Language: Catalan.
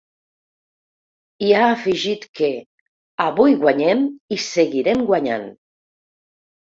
I ha afegit que ‘avui guanyem i seguirem guanyant!’.